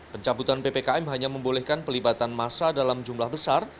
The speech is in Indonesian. pencabutan ppkm hanya membolehkan pelibatan masa dalam jumlah besar